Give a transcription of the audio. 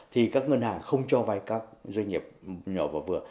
thì các ngân hàng không cho vay các doanh nghiệp nhỏ và vừa